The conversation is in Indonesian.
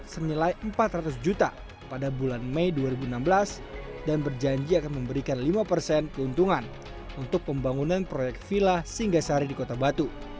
senilai empat ratus juta pada bulan mei dua ribu enam belas dan berjanji akan memberikan lima persen keuntungan untuk pembangunan proyek villa singgasari di kota batu